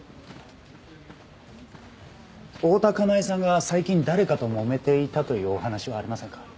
大多香苗さんが最近誰かともめていたというお話はありませんか？